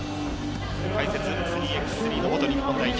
解説、３ｘ３の元日本代表